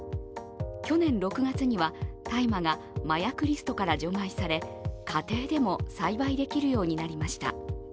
去年６月には大麻が麻薬リストから除外され、家庭でも栽培できるようになりました。